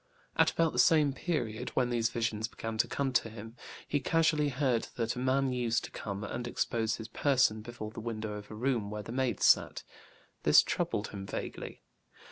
At about the same period, when these visions began to come to him, he casually heard that a man used to come and expose his person before the window of a room where the maids sat; this troubled him vaguely.